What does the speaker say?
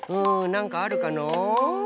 なんかあるかのう？